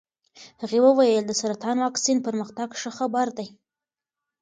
هغې وویل د سرطان واکسین پرمختګ ښه خبر دی.